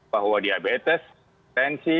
bahwa diabetes tensi